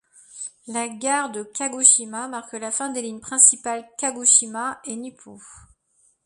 La gare de Kagoshima marque la fin des lignes principales Kagoshima et Nippō.